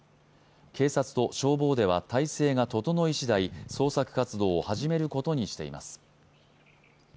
警察と消防では態勢が整いしだい捜索活動を始めることにしています。